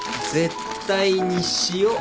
絶対に塩。